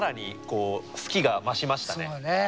そうよね。